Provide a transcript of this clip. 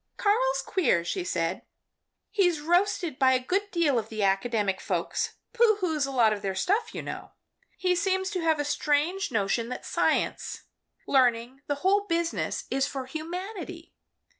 "Karl's queer," she said. "He's roasted a good deal by the academic folks pooh hoos a lot of their stuff, you know. He seems to have a strange notion that science, learning, the whole business is for humanity.